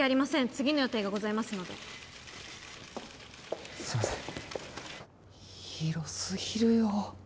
次の予定がございますのですいません広すぎるよ